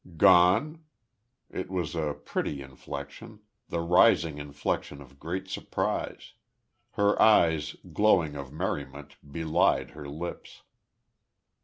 "Gone?" It was a pretty inflection the rising inflection of great surprise. Her eyes, glowing of merriment, belied her lips.